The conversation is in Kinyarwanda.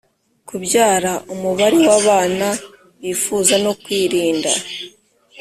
kubyara umubare w abana bifuza no kwirinda